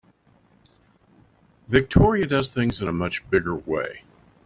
Victoria does things in a much bigger way.